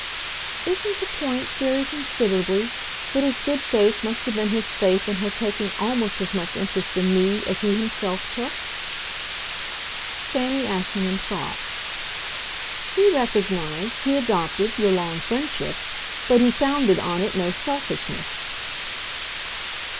"Isn't the point, very considerably, that his good faith must have been his faith in her taking almost as much interest in me as he himself took?" Fanny Assingham thought. "He recognised, he adopted, your long friendship. But he founded on it no selfishness."